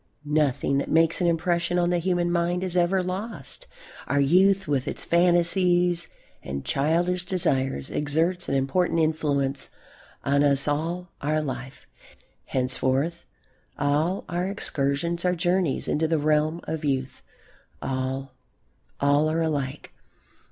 Nothing that makes an impression on the human mind is ever lost. Our youth with its fantasies and childish desires exerts an important influence on us all our life. Henceforth all our excursions are journeys into the realm of youth. All, all are alike.